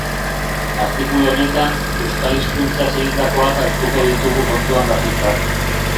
Artikulu honetan, euskal hizkuntzaz egindakoak hartuko ditugu kontuan batik bat.